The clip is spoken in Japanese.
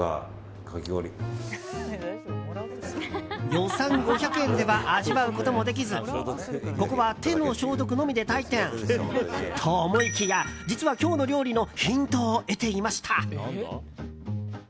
予算５００円では味わうこともできずここは手の消毒のみで退店。と思いきや、実は今日の料理のヒントを得ていました。